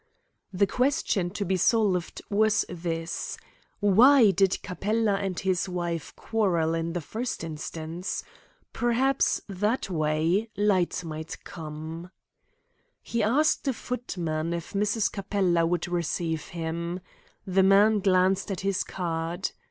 The question to be solved was this: Why did Capella and his wife quarrel in the first instance? Perhaps, that way, light might come. He asked a footman if Mrs. Capella would receive him. The man glanced at his card.